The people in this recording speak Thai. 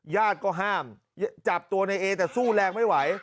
ญาติก็ห้ามจับตัวในเอแต่สู้แรงไม่ไหว